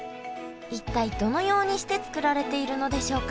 一体どのようにして作られているのでしょうか。